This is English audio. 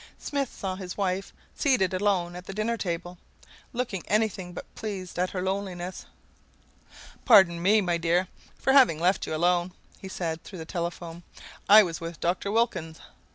Smith saw his wife, seated alone at the dinner table, looking anything but pleased at her loneliness. "Pardon me, my dear, for having left you alone," he said through the telephone. "I was with Dr. Wilkins."